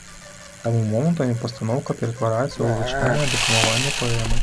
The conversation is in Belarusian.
Таму момантамі пастаноўка ператвараецца ў звычайнае дэкламаванне паэмы.